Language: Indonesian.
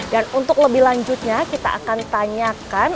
dan untuk lebih lanjutnya kita akan tanyakan